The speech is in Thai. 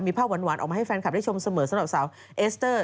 มีภาพหวานออกมาให้แฟนคลับได้ชมเสมอสำหรับสาวเอสเตอร์